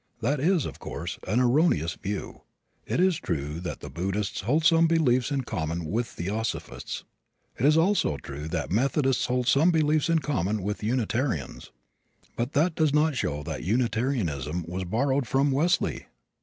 That is, of course, an erroneous view. It is true that the Buddhists hold some beliefs in common with theosophists. It is also true that Methodists hold some beliefs in common with Unitarians, but that does not show that Unitarianism was borrowed from Wesley!